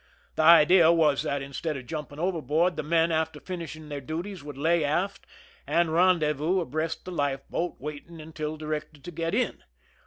The idea was that, instead of jumping overboard, the men, after finishing their { duties, wonldL " lay aft " and rendezvous abreast the ) life boat, waiting until directed to get in.